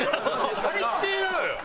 最低なのよ！